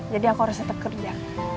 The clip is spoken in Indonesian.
jadi aku harus tetep kerja